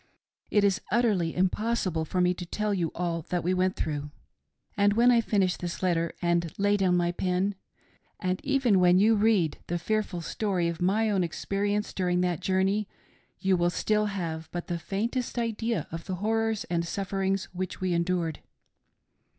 It is utterly impossible for me to tell you all that we went through. And when I finish this letter and lay down my pen, and even when you read the fearful story of my own experience during that jour ney, you will still have but the faintest idea of the horrors and sufferings which we endured.